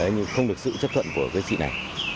nhưng không được sự chấp thuận của chị này